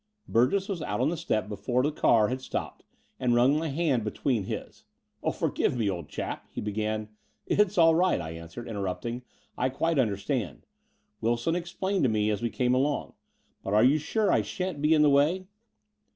Burgess was out on the step before the car had stopped, and wrung my hand between his. "Forgive me, old chap —" he b^an. "It's all right," I answered, interrupting; "I quite understand. Wilson explained to me as we came along. But are you sure I shan't be in the way?"